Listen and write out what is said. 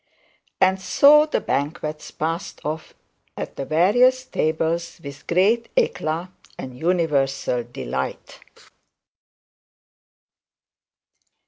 And so the banquet passed off at the various tables with great eclat and universal delight.